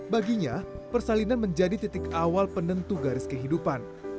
baginya persalinan menjadi titik awal penentu garis kehidupan